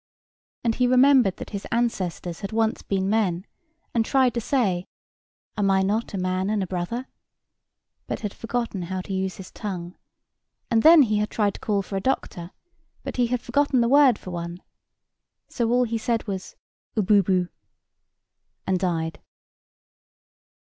And he remembered that his ancestors had once been men, and tried to say, "Am I not a man and a brother?" but had forgotten how to use his tongue; and then he had tried to call for a doctor, but he had forgotten the word for one. So all he said was "Ubboboo!" and died.